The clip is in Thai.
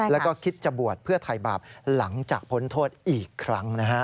แล้วก็คิดจะบวชเพื่อไทยบาปหลังจากพ้นโทษอีกครั้งนะฮะ